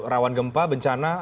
rawan gempa bencana